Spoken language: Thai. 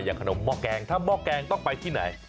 อย่างขนมหม้อกแกงถ้าม่อกแกงต้องไปที่ไหน